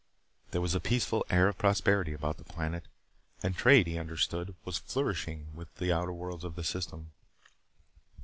There was a peaceful air of prosperity about the planet; and trade, he understood, was flourishing with the other worlds of the system.